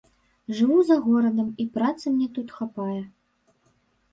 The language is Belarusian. Жыву за горадам, і працы мне тут хапае.